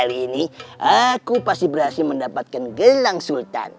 kali ini aku pasti berhasil mendapatkan gelang sultan